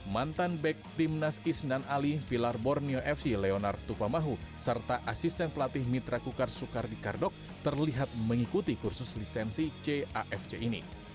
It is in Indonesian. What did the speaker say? mantan back tim nas kisnan ali pilar borneo fc leonard tupamahu serta asisten pelatih mitra kukar sukardi kardok terlihat mengikuti kursus lisensi cafc ini